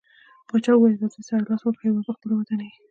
پاچاه وويل: راځٸ سره لاس ورکړو هيواد په خپله ودانيږي.